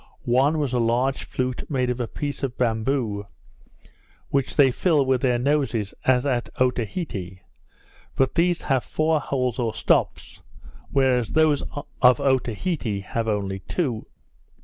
One was a large flute made of a piece of bamboo, which they fill with their noses as at Otaheite; but these have four holes or stops, whereas those of Otaheite have only two.